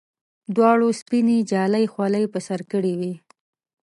دواړو سپینې جالۍ خولۍ پر سر کړې وې.